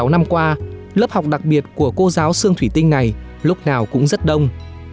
một mươi sáu năm qua lớp học đặc biệt của cô giáo xương thủy tinh này lúc nào cũng rất đông